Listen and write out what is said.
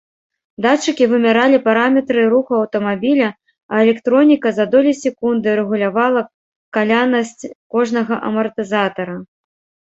Датчыкі вымяралі параметры руху аўтамабіля, а электроніка за долі секунды рэгулявала калянасць кожнага амартызатара.